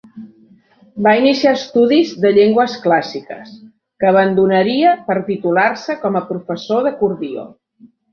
Va iniciar estudis de llengües clàssiques, que abandonaria per titular-se com a professor d'acordió.